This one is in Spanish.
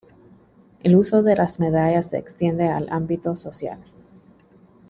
El uso de las medallas se extiende al ámbito social.